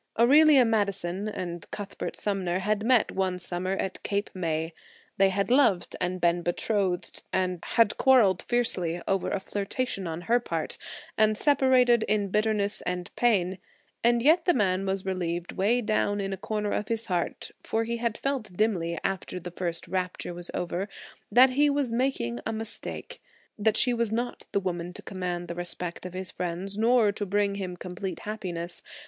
Aurelia Madison and Cuthbert Sumner had met one summer at Cape May. They had loved and been betrothed; had quarreled fiercely over a flirtation on her part and had separated in bitterness and pain; and yet the man was relieved way down in a corner of his heart for he had felt dimly, after the first rapture was over, that he was making a mistake, that she was not the woman to command the respect of his friends nor to bring him complete happiness.